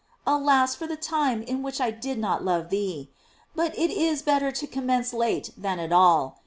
Alas for the time in which I did not love thee!* But it is better to commence late than at all.